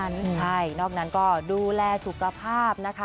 แซมอเรนนี่ใช่นอกนั้นก็ดูแลสุขภาพนะคะ